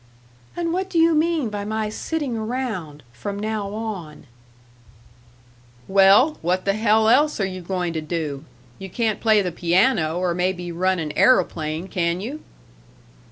"And what do you mean by my sitting around, from now on " "Well, what the hell else are you going to do? You can't play the piano or maybe run an aeroplane, can you?"